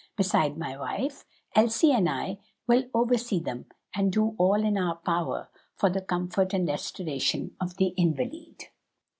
Beside my wife, Elsie and I will oversee them and do all in our power for the comfort and restoration of the invalid."